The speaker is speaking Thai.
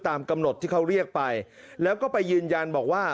ตามกำหนดที่เขาเรียกไปแล้วก็ไปยืนยันบอกว่า